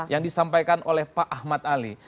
yang disampaikan oleh pak ahmad ali